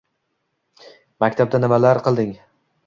Maktabda nimalar qilding?